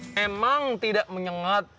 memang tidak menyengat